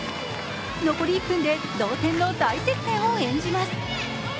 残り１分で同点の大接戦を演じます